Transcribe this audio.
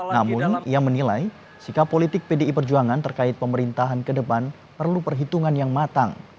namun ia menilai sikap politik pdi perjuangan terkait pemerintahan ke depan perlu perhitungan yang matang